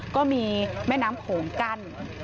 ก็มีแม่น้ำโขงกั้น